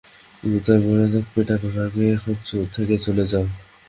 Yuta বেধড়ক পেটানোর আগে এখান থেকে চলে যাও!